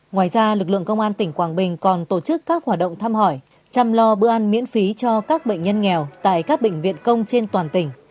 ngoài ra lực lượng công an tỉnh quảng bình còn tổ chức các hoạt động thăm hỏi chăm lo bữa ăn miễn phí cho các bệnh nhân nghèo tại các bệnh viện công trên toàn tỉnh